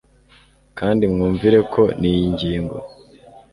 kandi mwumvireko n'iyi ngingo